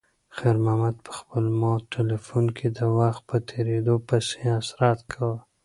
خیر محمد په خپل مات تلیفون کې د وخت په تېریدو پسې حسرت کاوه.